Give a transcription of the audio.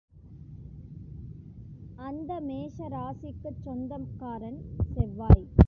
அந்த மேஷராசிக்குச் சொந்தக்காரன் செவ்வாய்.